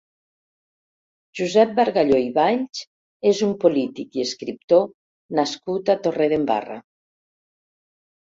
Josep Bargalló i Valls és un polític i escriptor nascut a Torredembarra.